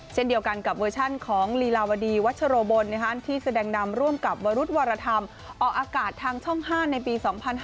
เช่นเดียวกันกับเวอร์ชันของลีลาวดีวัชโรบลที่แสดงนำร่วมกับวรุธวรธรรมออกอากาศทางช่อง๕ในปี๒๕๕๙